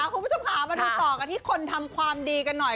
คุณผู้ชมค่ะมาดูต่อกันที่คนทำความดีกันหน่อย